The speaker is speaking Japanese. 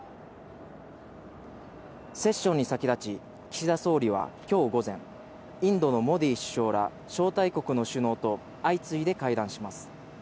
セッションに先立ち、岸田総理はきょう午前、インドのモディ首相ら招待国の首脳と相次いで会談します。